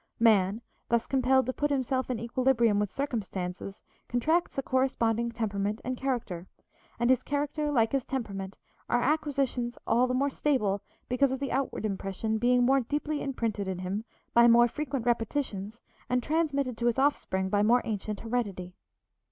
Man, thus compelled to put himself in equilibrium with circumstances, contracts a corresponding temperament and character, and his character, like his temperament, are acquisitions all the more stable because of the outward impression being more deeply imprinted in him by more frequent repetitions and transmitted to his offspring by more ancient heredity.